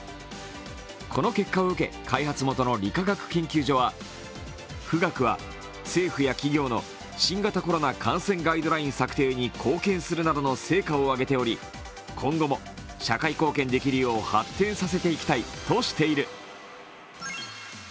この結果を受け、開発元の理化学研究所は、富岳は政府や企業の新型コロナ感染ガイドライン策定に貢献するなどの成果を上げており、今後も社会貢献できるよう発展させていきたいとしている。